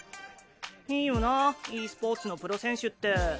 いいよなｅスポーツのプロ選手って。